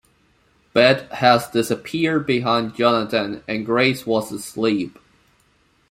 Beth had disappeared behind Jonathon, and Grace was asleep.